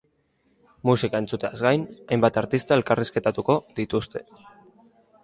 Musika entzuteaz gain, hainbat artista elkarrizketatuko dituzte.